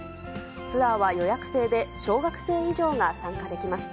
ツアーは予約制で、小学生以上が参加できます。